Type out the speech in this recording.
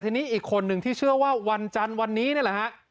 ทีนี้อีกคนนึงที่เชื่อว่าวันจันทร์วันนี้นี่แหละฮะ